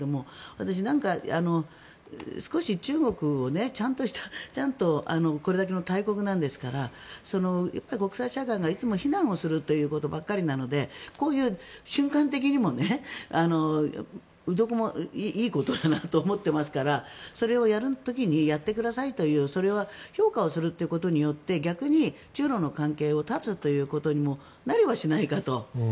私、なんか少し中国はちゃんとこれだけの大国なんですから国際社会がいつも非難をするということばかりなのでこういう瞬間的にもどこもいいことだなと思っていますからそれをやる時にやってくださいというそれは評価をするということによって逆に中ロの関係を絶つということにもなりはしないかと。